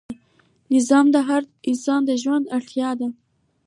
نظم د هر انسان د ژوند اړتیا ده.